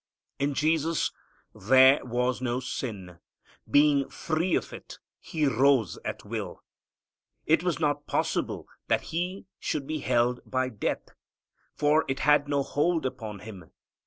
In Jesus there was no sin. Being free of it, He rose at will. "It was not possible that He should be held by death," for it had no hold upon Him.